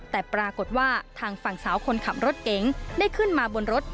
แต่ปรากฏว่าทางฝั่งสาวคนขับรถเก๋งได้ขึ้นมาบนรถ